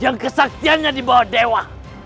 yang kesaktiannya di bawah dewa